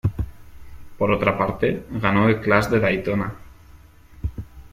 Por otra parte, ganó el Clash de Daytona.